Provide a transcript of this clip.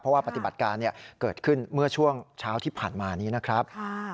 เพราะว่าปฏิบัติการเกิดขึ้นเมื่อช่วงเช้าที่ผ่านมานี้นะครับ